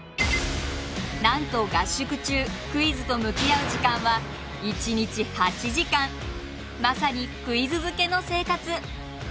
なんと合宿中クイズと向き合う時間はまさにクイズ漬けの生活。